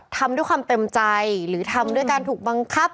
ทำด้วยความเต็มใจหรือทำด้วยการถูกบังคับ